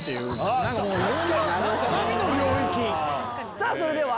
さぁそれでは！